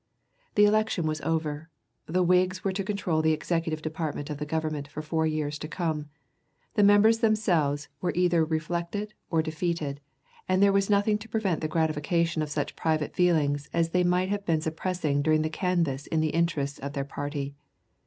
The election was over; the Whigs were to control the Executive Department of the Government for four years to come; the members themselves were either reflected or defeated; and there was nothing to prevent the gratification of such private feelings as they might have been suppressing during the canvass in the interest of their party.